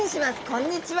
こんにちは。